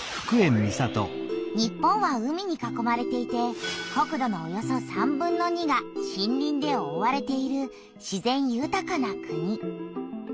日本は海に囲まれていて国土のおよそ３分の２が森林でおおわれている自然ゆたかな国。